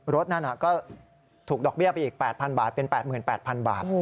รถนั่นก็ถูกดอกเบี้ยไปอีก๘๐๐บาทเป็น๘๘๐๐บาท